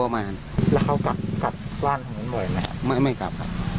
ไม่ครับ